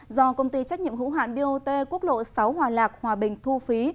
do công ty trách nhiệm hữu hạn bot quốc lộ sáu hòa lạc hòa bình thu phí